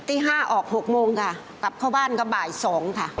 ตี๕ออก๖โมงค่ะกลับเข้าบ้านก็บ่าย๒ค่ะ